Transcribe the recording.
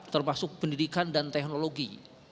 termasuk pendidikan dan teknologi